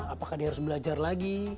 apakah dia harus belajar lagi